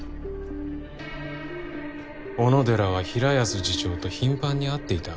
小野寺は平安次長と頻繁に会っていた。